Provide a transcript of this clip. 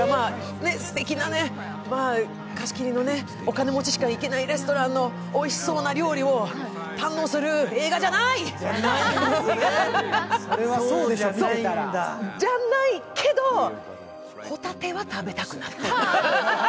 すてきな貸し切りのお金持ちしか行けないレストランの料理をおいしそうな料理を堪能する映画じゃない！じゃないけど、ほたては食べたくなった。